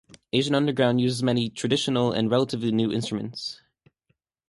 Asian Underground uses many traditional and relatively new instruments.